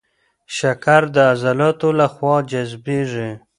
شکر د عضلاتو له خوا جذبېږي.